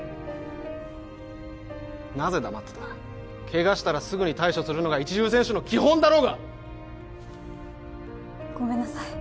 なぜ黙ってたケガしたらすぐに対処するのが一流選手の基本だろうがっごめんなさい